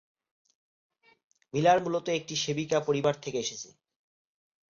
Miller মূলত একটি সেবিকা পরিবার থেকে এসেছেন।